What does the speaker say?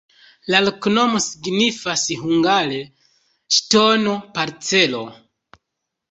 La loknomo signifas hungare ŝtono-parcelo.